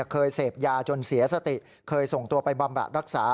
เคยเสพยาจนเสียสติเคยส่งตัวไปบำบัดรักษา